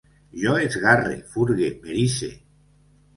Jo esgarre, furgue, m'erice